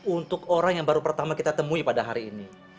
untuk orang yang baru pertama kita temui pada hari ini